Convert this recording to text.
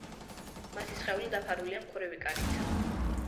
მათი სხეული დაფარულია მკვრივი კანით.